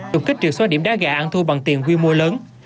tục kích triệu số điểm đá gà ăn thua bằng tiền quy mô lớn